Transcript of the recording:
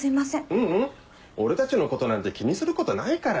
ううん俺たちのことなんて気にすることないから。